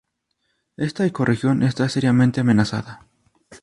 Esta ecorregión está seriamente amenazada.